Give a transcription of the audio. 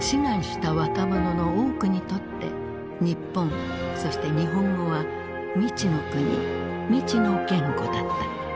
志願した若者の多くにとって日本そして日本語は未知の国未知の言語だった。